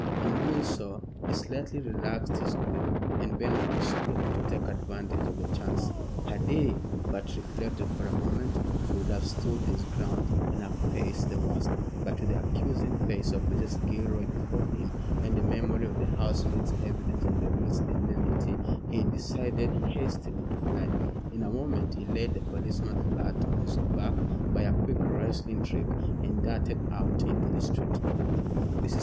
In doing so, he slightly relaxed his grip, and Bernard was quick to take advantage of the chance. Had he but reflected for a moment, he would have stood his ground and have faced the worst; but with the accusing face of Mrs. Gilroy before him, and a memory of the housemaid's evidence and Beryl's enmity, he decided hastily to fly. In a moment he laid the policeman flat on his back by a quick wrestling trick, and darted out into the street. Mrs.